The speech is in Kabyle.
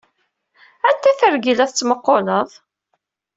Anta targa ay la tettmuquleḍ?